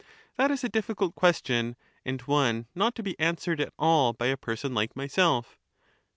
That is a difficult question, and one not to be answered at all by a person like myself.